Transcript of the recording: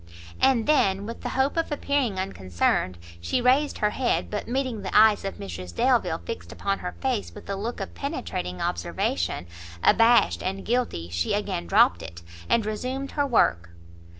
And then, with the hope of appearing unconcerned, she raised her head; but meeting the eyes of Mrs Delvile fixed upon her face with a look of penetrating observation, abashed and guilty, she again dropt it, and resumed her work.